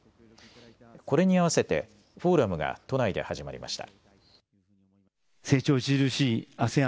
これに合わせてフォーラムが都内で始まりました。